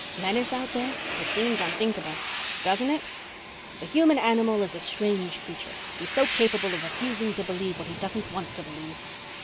"Menace out there? It seems unthinkable." "Doesn't it?" "The human animal is a strange creature. He's so capable of refusing to believe what he doesn't want to believe."